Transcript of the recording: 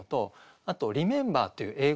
あと「リメンバー」っていう英語。